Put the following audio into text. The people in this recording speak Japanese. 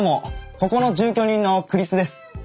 ここの住居人の栗津です。